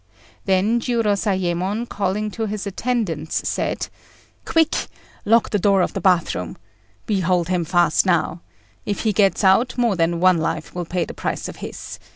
Then Jiurozayémon, calling to his attendants, said "Quick! lock the door of the bath room! We hold him fast now. If he gets out, more than one life will pay the price of his.